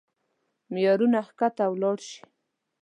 معيارونه کښته ولاړ شي.